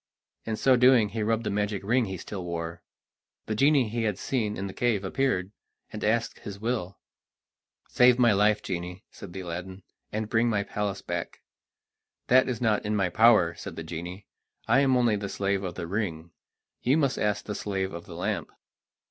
In so doing he rubbed the magic ring he still wore. The genie he had seen in the cave appeared, and asked his will. "Save my life, genie," said Aladdin, "and bring my palace back." "That is not in my power," said the genie; "I am only the slave of the ring; you must ask the slave of the lamp."